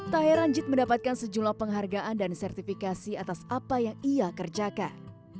tahe ranjit mendapatkan sejumlah penghargaan dan sertifikasi atas apa yang ia kerjakan